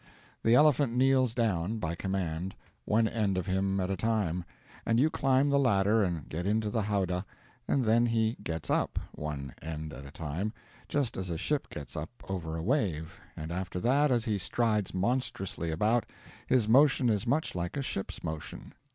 The elephant kneels down, by command one end of him at a time and you climb the ladder and get into the howdah, and then he gets up, one end at a time, just as a ship gets up over a wave; and after that, as he strides monstrously about, his motion is much like a ship's motion.